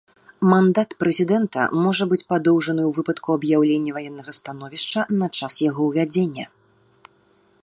Мандат прэзідэнта можа быць падоўжаны ў выпадку аб'яўлення ваеннага становішча на час яго ўвядзення.